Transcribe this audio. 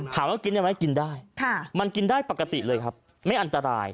ถามว่ากินได้ไหมกินได้มันกินได้ปกติเลยครับไม่อันตราย